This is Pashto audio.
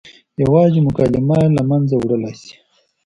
یوازې مکالمه یې له منځه وړلی شي.